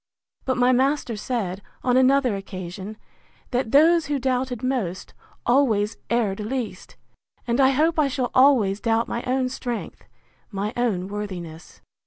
But my master said, on another occasion, That those who doubted most, always erred least; and I hope I shall always doubt my own strength, my own worthiness.